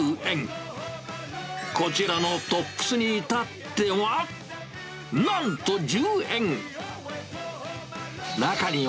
こちらのトップスにいたっては、なんと１０円。